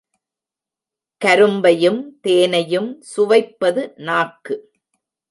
கரும்பையும், தேனையும் சுவைப்பது நாக்கு.